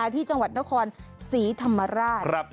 ที่จังหวัดนครศรีธรรมราช